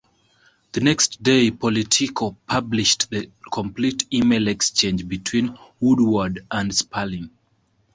The next day, Politico published the complete email exchange between Woodward and Sperling.